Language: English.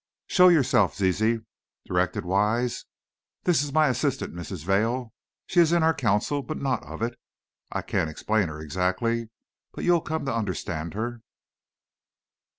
"Show yourself, Zizi," directed Wise. "This is my assistant, Mrs. Vail. She is in our council but not of it. I can't explain her exactly, but you'll come to understand her."